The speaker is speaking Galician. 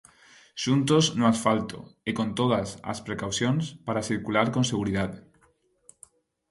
Xuntos no asfalto, e con todas as precaucións para circular con seguridade.